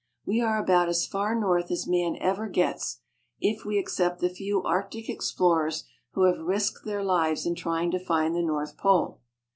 We are about as far north as man ever gets, if we except the few Arctic Explorers who have risked their lives in trying to find the North Pole.